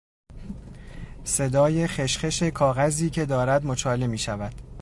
صدای خشخش کاغذی که دارد مچاله میشود